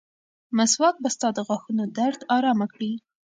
مسواک به ستا د غاښونو درد ارامه کړي.